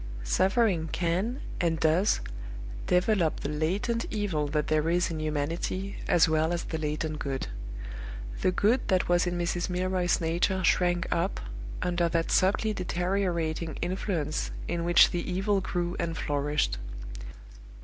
Suffering can, and does, develop the latent evil that there is in humanity, as well as the latent good. The good that was in Mrs. Milroy's nature shrank up, under that subtly deteriorating influence in which the evil grew and flourished.